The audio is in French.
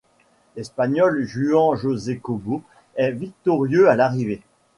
L'Espagnol Juan José Cobo est victorieux à l'arrivée.